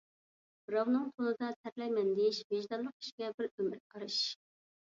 بىراۋنىڭ تونىدا تەرلەيمەن دېيىش، ۋىجدانلىق كىشىگە بىر ئۆمۈر ئار ئىش.